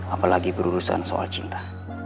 apalagi berurusan soal cinta